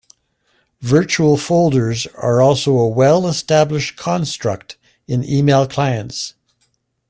Virtual folders are also a well-established construct in email clients.